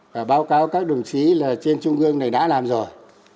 và báo cáo các đồng chí là trên trung ương này đã làm rồi